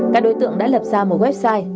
các đối tượng đã lập ra một website